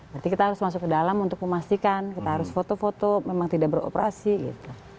berarti kita harus masuk ke dalam untuk memastikan kita harus foto foto memang tidak beroperasi gitu